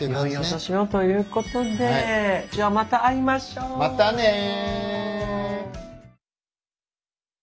またね。